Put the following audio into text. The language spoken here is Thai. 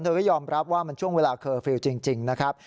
ก็ยอมรับว่ามันช่วงเวลาเคอร์ฟิลล์จริงนะครับ